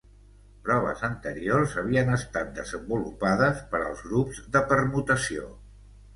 Proves anteriors havien estat desenvolupades per als grups de permutació.